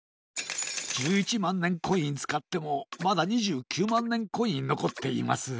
１１まんねんコインつかってもまだ２９まんねんコインのこっています。